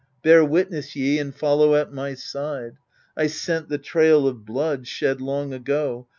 Bear witness, ye, and follow at my side — I scent the trail of blood, shed long ago.